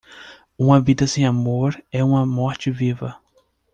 Uma vida sem amor é uma morte viva.